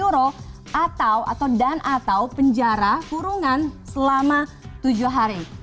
rp satu ratus tujuh puluh delapan atau atau dan atau penjara kurungan selama tujuh hari